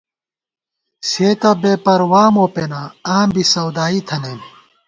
سے تہ بېپروا مو پېنہ آں بی سَودائی تھنَئیم